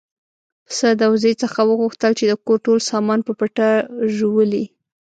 پسه د وزې څخه وغوښتل چې د کور ټول سامان په پټه ژوولی.